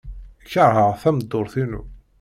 Keṛheɣ tameddurt-inu.